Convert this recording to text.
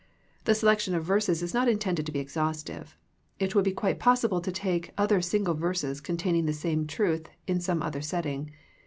The selection of verses is not intended to be exhaustive. It would be quite possible to take other single verses containing the same truth in some other setting.